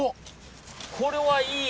これはいい！